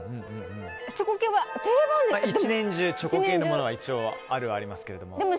１年中、チョコ系のものが一応、あるにはありますけども。